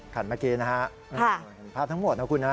ขัดเมื่อกี้นะครับภาพทั้งหมดนะครับคุณ